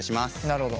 なるほど。